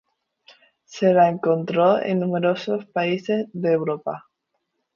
Se la encuentra en numerosos países de Europa.